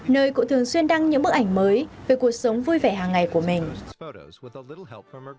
nơi cụ thường xuyên đăng những bức ảnh mới về cuộc sống vui vẻ hàng ngày của mình